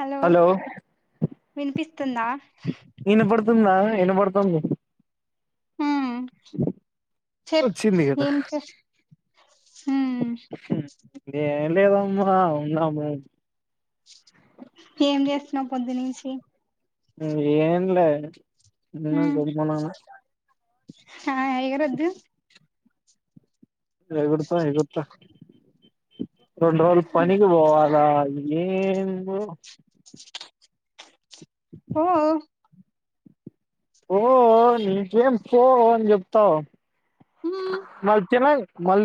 hello వినిపిస్తుందా ఇనబడుతుందా ఇనబడుతుంది ఉమ్ చెప్ వచ్చింది కదా ఏం చేస్త్ ఉమ్ ఏం లేదమ్మా ఉన్నాము ఏం చేస్తున్నవు పొద్దు నుంచి ఉ ఏన్లే ఉన్న గమ్ముననా హ ఎగరోద్దు ఎగురుతాఎగురుత రెండు రోజులు పనికినికి పోవాలా వా ఏందో పో పో నీకేం పో అని చెప్తావ్ ఉమ్ మళ్ తినేక్ మళ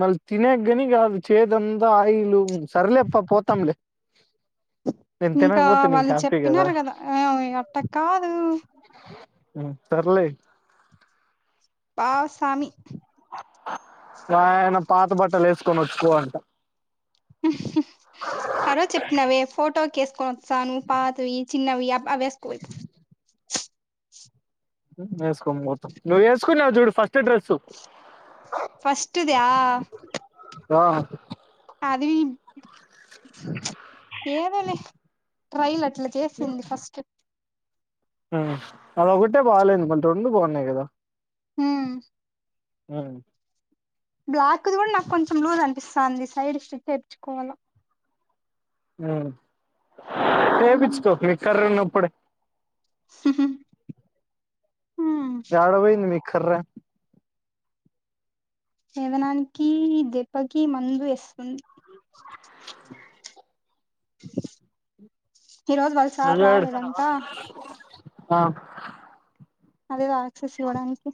మళ్ళ తినకే గానీ కాదు చేయి అంతా ఆయిలు సర్లే పా పోతాంలే నేను ఇంకా తినకపోతే నీకు వాళ్ళు హ్యాపీ చెప్పినారు కదా ఆ అట్ట కాదు ఉమ్ సర్లే పా సామీ గాయన పాత బట్టలు ఏసుకొని వచ్చుకో అంట ఉ హ్ ఆరోజ చెప్పినవవే ఫోటో కేసుకొని వస్తాను పాతవి చిన్నవి ఆవ్ అవేసుకో పో అయితే ఉమ్ ఎసుకొనిపోత నువ్వు ఏసుకున్నావ్ చూడు ఫస్ట్ డ్రెస్సు ఫస్ట్దా దా అదీ ఉచ్ ఏదోలే ట్రైలర్ అట్ అట్ల చేసింది ఫస్ట్ ఉమ్ అదొకటె బాలేదు రెండు బాగున్నాయి గదా ఉమ్ అ ఆంధీ సైడ్ స్ తెచ్చుకోవాల ఆ చేేపించుకో మీ కర్ర ఉన్నప్పుడే ఉ హు ఏడ పోయేది మీక్కర్ర పెదనానికి దెబ్బకి మందు ఎస్తుంది ఈరోజు వాళసారు నువ్వేడు రాలేదంటా ఆ అదేదో ఆక్సెస్ ఇవ్వడానికి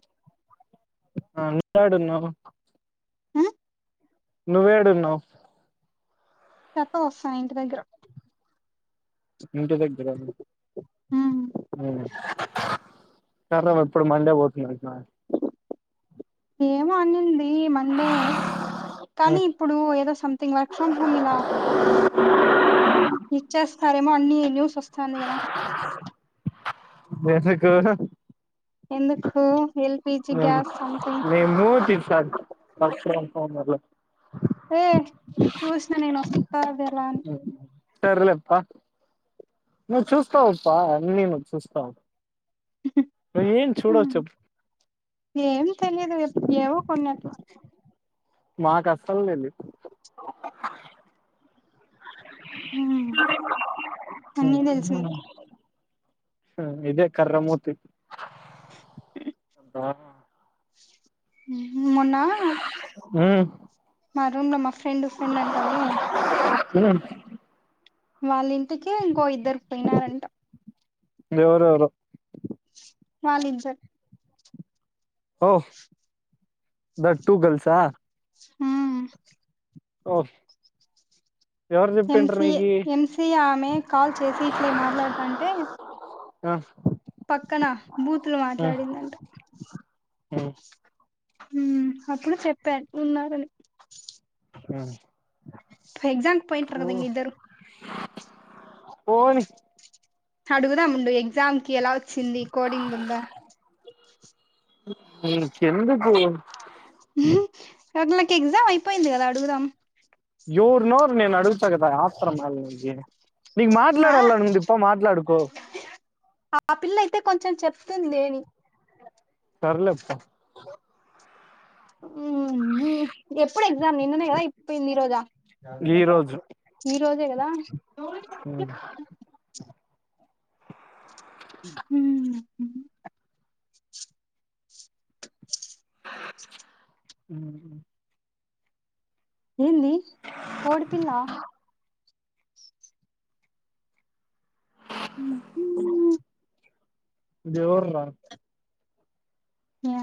ఆ నువ్వు యాడఉన్నావు నువ్వేడున్నవ్ పెత్తొ వస్తా ఇంటి దగ్గరో ఇంటిదగ్గర ఉమ్ ఊ కర్రే ఇప్పుడు మండే ఓతుంది అంట ఏమో అనింది ఈ మండే కనీ ఇప్పుడు ఏదో సంథింగ్ వర్క్ ఫ్రమ్ హోమ్ ఇలా ఇచ్చేస్తరేమో అన్ని న్యూస్ ఓస్తాంది గదా వెర్రిగో ఎందుకూ ఎల్ మె మేము [unintelligible] వర్క్ ఫ్రొమ్ హామ్ లో ఏ చుసిన నేను వస్తది అలా అని సర్లేప్ప నువ్వు చూస్తావప్ప అన్నీ నువ్వు చూస్తవు వే ఏం చూడవు చే ఏం తెలియదుప్పు ఏవో కొన్నట్లు మాకీ అసలు తెలి హ అన్నీ తెలుసు తెలీదు మీకు ఇదే కర్రమూతి మన్న మ్మ్ మ రూమ్లా ఫ్రెండ్ ఫ్రెండ్ అంటావే ఎన్నను వాళ్ళింటికి ఇంకో ఇద్దరు పోయినారంట ఎవరెవరు వాళ్ళు ఇద్దరు ఓ థాట్ టూ గల్సా ఆ హహ్మ్ ఓ ఎవరు చెప్పిండ్రు ఎంసి నీకి ఎంసి ఆమె కాల్ చేసి ఇట్లే మాట్లాడుతాంటే ఆ పక్కన బూతులు మాట్లాడిందంట అ అప్పుడు చెప్పాను ఉన్నారని హ ఎక్సమ్ కీ పోయితారు కదా ఇంగ ఇద్దరు పోని అడుగుదాండు ఎగ్జామ్ కి ఎలా వచ్చింది కోడింగ్ ఉందా నికి ఎందుకు అ నాకు ఎగ్జామ్ అయిపోయింది కదా అడుగుదాం ఎవర్ నోర్ నేను అడుగుతాగదా ఆత్ర యాల నకి నకు ఆ మాట్లాడల అని ఉందు ప మాట్లాడుకో తన్దేని సర్లే బా ఉ ఎప్పుడు ఎగ్జామ్ నిన్ననే కదా అయిపోయింది ఈ రోజా ఈ రోజే కదా అవు హ అ ఏంది కోడిపిల్ల ఉ దేవురార్ యా